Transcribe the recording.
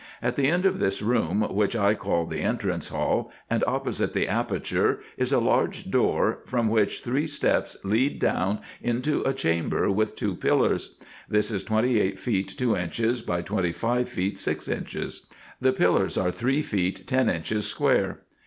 At the end of this room, which I call the entrance hall, and opposite the aperture, is a large door, from which three steps lead down into a chamber with two pillars. This is twenty eight feet two inches by twenty five feet six inches. The pillars are three feet ten inches square.